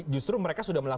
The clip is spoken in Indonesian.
justru mereka sudah menerima